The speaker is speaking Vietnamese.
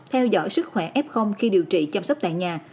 theo dõi sức khỏe f khi điều trị chăm sóc tại nhà